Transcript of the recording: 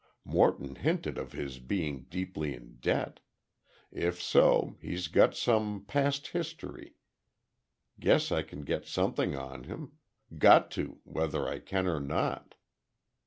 Morton hinted of his being deeply in debt. If so, he's got some past history, guess I can get something on him—got to, whether I can or not.